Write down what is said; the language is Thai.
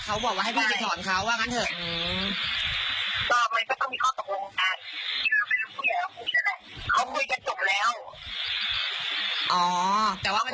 เดี๋ยวรอพี่กลับเดี๋ยวพี่วันจันทร์ไม่ได้จัดการให้